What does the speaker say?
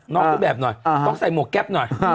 ออกรูปแบบหน่อยต้องใส่หมวกแก๊ปหน่อย